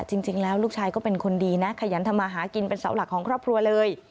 จริงแล้วลูกชายก็เป็นคนดีนะขยันทำมาหากินเป็นเสาหลักของครอบครัวเลย